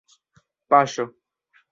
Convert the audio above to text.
paŝo